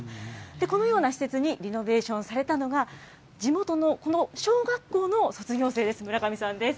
このような施設にリノベーションされたのが、地元のこの小学校の卒業生です。